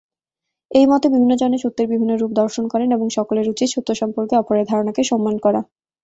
এই মতে, বিভিন্ন জনে সত্যের বিভিন্ন রূপ দর্শন করেন এবং সকলের উচিত সত্য সম্পর্কে অপরের ধারণাকে সম্মান করা।